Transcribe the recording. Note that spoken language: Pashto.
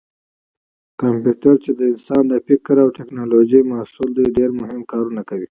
کمپیوټر چې د انسان د فکر او ټېکنالوجۍ محصول دی ډېر مهم کارونه کوي.